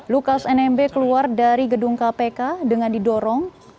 lukas nmb keluar dari gedung kpk dengan didorong